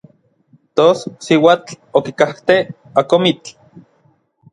Tos n siuatl okikajtej n akomitl.